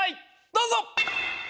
どうぞ！